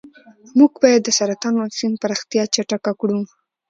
موږ باید د سرطان واکسین پراختیا چټکه کړو.